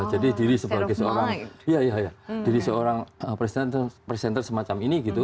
jadi diri sebagai seorang presenter semacam ini gitu